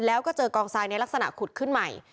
แล้วก็เจอกองทรายในลักษณะขุดขึ้นใหม่